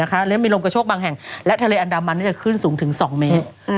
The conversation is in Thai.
และมีลมกระโชคบางแห่งและทะเลอันดามันจะขึ้นสูงถึง๒เมตร